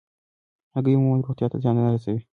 هګۍ عموماً روغتیا ته زیان نه رسوي.